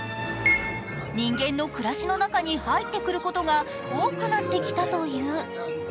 人間の暮らしの中に入ってくることが多くなってきたという。